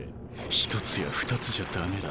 １つや２つじゃダメだ。